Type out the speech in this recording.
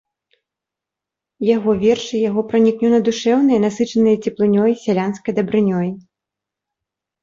Яго вершы яго пранікнёна- душэўныя, насычаныя цеплынёй, сялянскай дабрынёй.